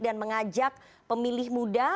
dan mengajak pemilih muda